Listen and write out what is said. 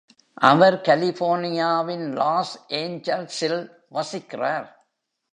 அவர் கலிபோர்னியாவின் லாஸ் ஏஞ்சல்ஸில் வசிக்கிறார்.